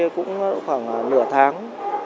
cũng khoảng nửa tháng